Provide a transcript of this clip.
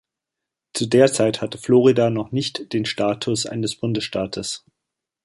Zu der Zeit hatte Florida noch nicht den Status eines Bundesstaates.